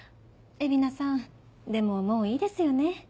蝦名さんでももういいですよね？